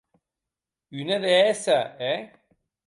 Une deesse!, eh?